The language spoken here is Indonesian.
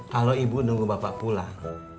kalau ibu nunggu bapak pulang